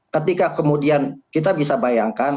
ketika kemudian kita bisa bayangkan